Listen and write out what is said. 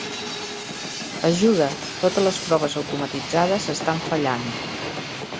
Ajuda! Totes les proves automatitzades estan fallant!